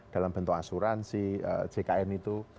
dalam bentuk asuransi jkn itu